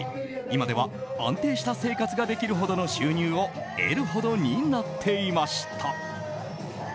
今では安定した生活ができるほどの収入を得るほどになっていました。